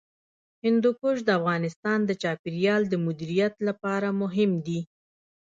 هندوکش د افغانستان د چاپیریال د مدیریت لپاره مهم دي.